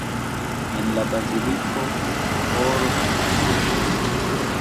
En la baziliko ĥoro funkcias.